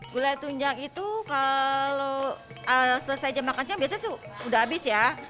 gulai tunjang itu kalau selesai jam makan siang biasanya udah habis ya